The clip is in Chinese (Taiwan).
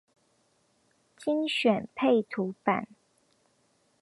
精選配圖版